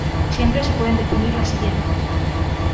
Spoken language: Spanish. Siempre se pueden definir las siguientes.